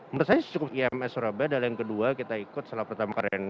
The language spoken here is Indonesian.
menurut saya cukup ims surabaya adalah yang kedua kita ikut salah pertama keren